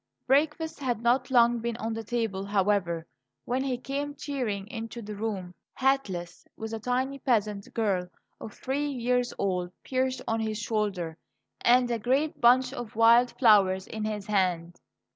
Breakfast had not long been on the table, however, when he came tearing into the room, hatless, with a tiny peasant girl of three years old perched on his shoulder, and a great bunch of wild flowers in his hand.